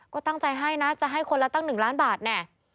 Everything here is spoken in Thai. ก็ตั้งใจให้นะจะให้คนละตั้ง๑ล้านบาทแน่